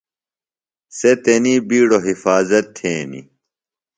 سےۡ تنی بِیڈوۡ حفاظت تھینیۡ۔